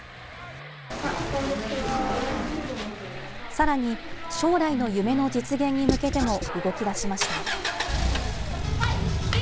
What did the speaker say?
さらに将来の夢の実現に向けても動きだしました。